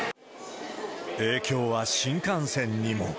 影響は新幹線にも。